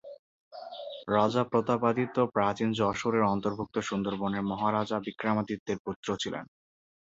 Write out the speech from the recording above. রাজা প্রতাপাদিত্য প্রাচীন যশোরের অন্তর্ভুক্ত সুন্দরবনের মহারাজা বিক্রমাদিত্যের পুত্র ছিলেন।